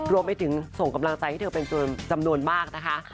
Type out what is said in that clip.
รวมไปถึงส่งกำลังใจให้เธอเป็นจำนวนมากนะคะ